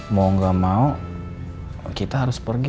mau gak mau kita harus pergi